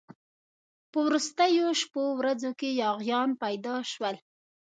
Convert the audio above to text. په وروستو شپو ورځو کې یاغیان پیدا شول.